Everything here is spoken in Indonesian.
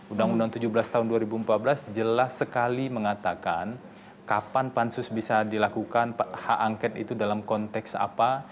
undang undang tujuh belas tahun dua ribu empat belas jelas sekali mengatakan kapan pansus bisa dilakukan hak angket itu dalam konteks apa